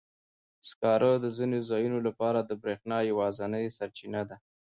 سکاره د ځینو ځایونو لپاره د برېښنا یوازینی سرچینه ده.